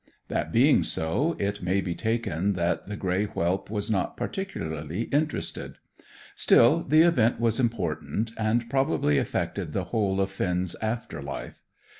That being so, it may be taken that the grey whelp was not particularly interested. Still, the event was important, and probably affected the whole of Finn's after life.